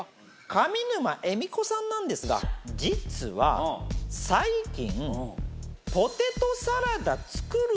上沼恵美子さんなんですが実は最近。